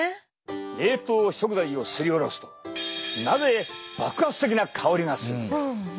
冷凍食材をすりおろすとなぜ爆発的な香りがするのか。